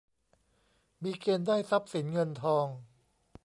มีเกณฑ์ได้ทรัพย์สินเงินทอง